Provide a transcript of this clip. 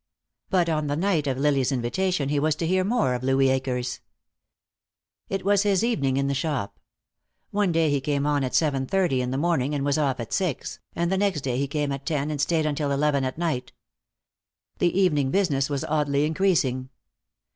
But on the night of Lily's invitation he was to hear more of Louis Akers. It was his evening in the shop. One day he came on at seven thirty in the morning and was off at six, and the next he came at ten and stayed until eleven at night. The evening business was oddly increasing.